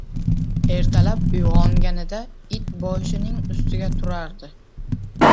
Ertalab uyg`onganida it boshining ustida turardi